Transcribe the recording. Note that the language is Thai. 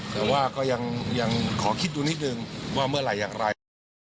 แต่ว่าก็ยังขอคิดดูนิดนึงว่าเมื่อไหร่อย่างไร